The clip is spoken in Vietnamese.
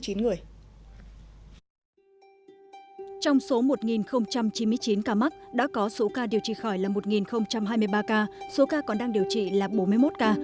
trong số một chín mươi chín ca mắc đã có số ca điều trị khỏi là một hai mươi ba ca số ca còn đang điều trị là bốn mươi một ca